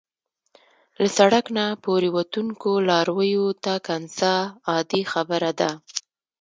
له سړک نه پورې وتونکو لارویو ته کنځا عادي خبره ده.